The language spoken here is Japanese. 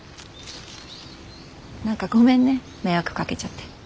何かごめんね迷惑かけちゃって。